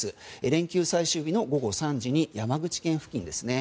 連休最終日の午後３時に山口県付近ですね。